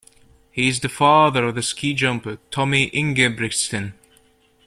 He is the father of the ski jumper Tommy Ingebrigtsen.